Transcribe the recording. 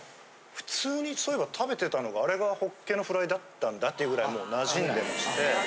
普通にそういえば食べてたのがあれがホッケのフライだったんだっていうぐらいもう馴染んでまして。